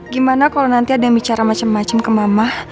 gimana kalau nanti ada yang bicara macam macam ke mama